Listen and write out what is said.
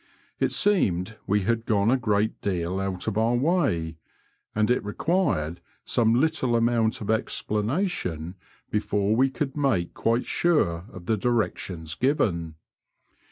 It seemed we had gone a great •deal out of our way, and it required some little amount of explanation before we could make quite sure of the directions given.